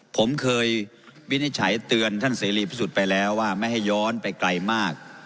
ผมเคยวินิจฉัยเตือนท่านเสรีพิสุทธิ์ไปแล้วว่าไม่ให้ย้อนไปไกลมาก